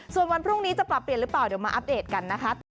ส่วนวันพรุ่งนี้จะปรับเปลี่ยนหรือเปล่าเดี๋ยวมาอัปเดตกันนะคะ